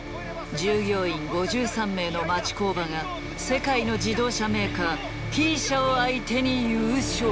従業員５３名の町工場が世界の自動車メーカーＴ社を相手に優勝。